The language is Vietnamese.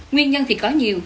nguyên nhân thì có nhiều